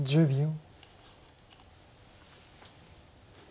１０秒。